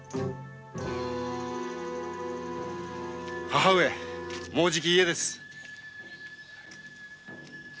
母上もうすぐ家です。